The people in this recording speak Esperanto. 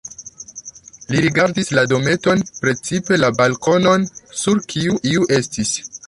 Li rigardis la dometon, precipe la balkonon, sur kiu iu estis.